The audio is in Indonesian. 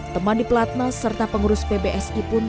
teman di pelatna serta pengurus pbsi pun